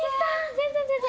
全然全然。